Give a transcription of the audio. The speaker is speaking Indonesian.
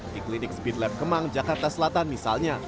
di klinik speedlab kemang jakarta selatan misalnya